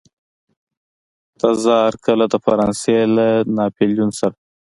تزار کله د فرانسې له ناپلیون سره.